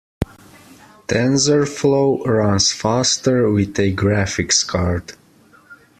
Tensorflow runs faster with a graphics card.